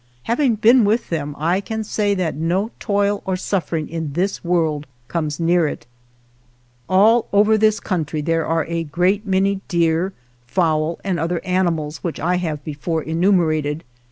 Having been with them I can say that no 93 THE JOURNEY OF toil or suffering in this world comes near it. All over this country there are a great many deer, fowl and other animals which I have before enumerated.